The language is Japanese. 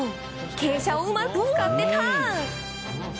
傾斜をうまく使ってターン！